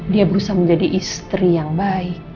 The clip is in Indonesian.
dia berusaha menjadi istri yang baik